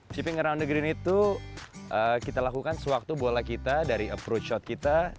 chipping around the green itu kita lakukan sewaktu bola kita dari approach shot kita